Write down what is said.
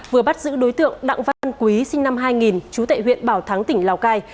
vừa bắt giữ đối tượng đặng văn quý sinh năm hai nghìn trú tại huyện bảo thắng tỉnh lào cai